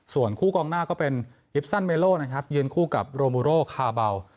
ส่วนคู่กองหน้าก็เป็นยิปซันเมโลนะครับยืนคู่กับโรมูโรคาร์เบา